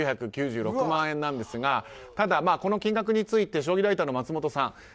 ６９９６万円なんですがただ、この金額について将棋ライターの松本さん。